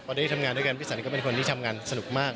ตอนนี้ทำงานด้วยกันพี่สันก็เป็นคนที่ทำงานสนุกมาก